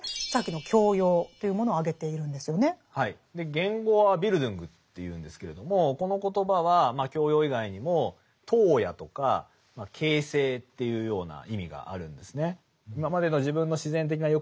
原語はＢｉｌｄｕｎｇというんですけれどもこの言葉は教養以外にも陶冶とか形成というような意味があるんですね。